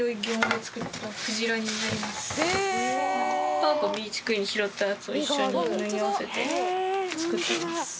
とあとビーチクリーンで拾ったやつを一緒に縫い合わせて作ってます。